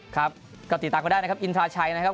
ครับก็ติดตามก็ได้นะครับอินทราชัยนะครับ